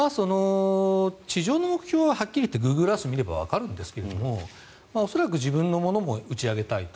地上の目標ははっきり言ってグーグルアースを見ればわかるんですが恐らく自分のものも打ち上げたいと。